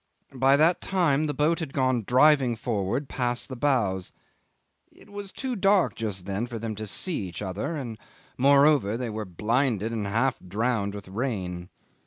By that time the boat had gone driving forward past the bows. It was too dark just then for them to see each other, and, moreover, they were blinded and half drowned with rain.